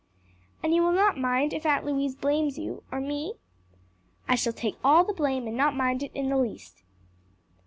"And you will not mind if Aunt Louise blames you? or me?" "I shall take all the blame and not mind it in the least."